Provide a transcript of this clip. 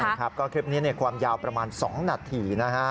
ใช่ครับก็คลิปนี้ความยาวประมาณ๒นาทีนะฮะ